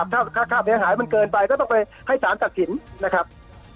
ถ้าค่าเสียหายมันเกินไปก็ต้องไปให้สารตัดสินนะครับ